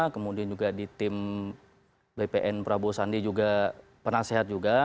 kemudian juga di tim bpn prabowo sandi juga penasehat juga